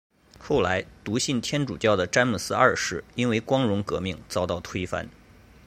后来笃信天主教的詹姆斯二世因为光荣革命遭到推翻。